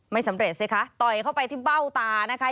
ไม่สำเร็จสิคะต่อยเข้าไปที่เบ้าตานะคะ